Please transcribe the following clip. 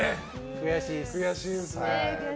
悔しいです。